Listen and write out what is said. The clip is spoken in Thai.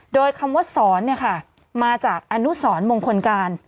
โดยคำว่าสอนมาจากอนุสรมงคลการ